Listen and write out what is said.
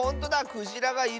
クジラがいる！